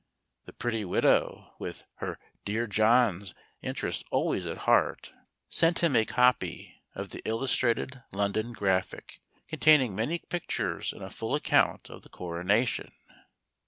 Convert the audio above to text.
The pretty widow, with " her dear John's" inter¬ ests always at heart, sent him a copy of the Illus¬ trated London Graphic , containing many pictures and a full account of the coronation.